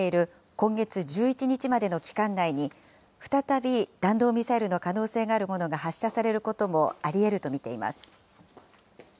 今月１１日までの期間内に、再び弾道ミサイルの可能性があるものが発射されることもありえると見ています。